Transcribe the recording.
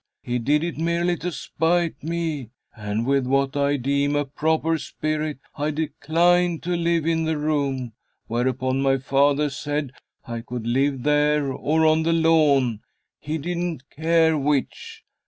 He did it merely to spite me, and, with what I deem a proper spirit, I declined to live in the room; whereupon my father said I could live there or on the lawn, he didn't care which.